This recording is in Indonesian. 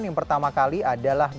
yang pertama kali adalah